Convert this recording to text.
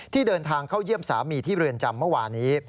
เดินทางเข้าเยี่ยมสามีที่เรือนจำเมื่อวานี้